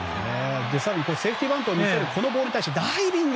更にセーフティーバントを見せるボールに対してダイビング！